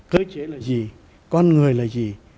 cơ chế là gì con người là gì